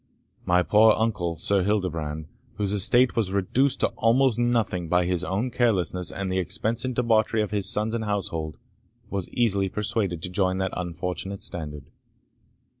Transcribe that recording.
My poor uncle, Sir Hildebrand, whose estate was reduced to almost nothing by his own carelessness and the expense and debauchery of his sons and household, was easily persuaded to join that unfortunate standard.